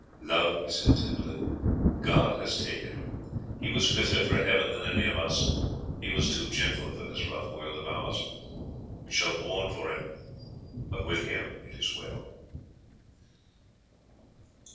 "Love," he said tenderly, "God has taken him. He was fitter for heaven than any of us; he was too gentle for this rough world of ours. We shall mourn for him, but with him it is well."